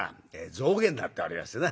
「象牙になっておりましてな」。